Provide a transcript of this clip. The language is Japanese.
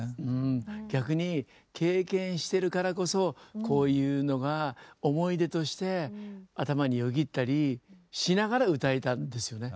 逆に経験してるからこそこういうのが思い出として頭によぎったりしながら歌えたんですよね